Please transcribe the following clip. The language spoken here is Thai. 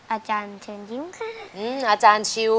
อาจารย์เชิญยิ้มค่ะอาจารย์ชิว